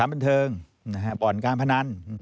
ป่อนการพนัน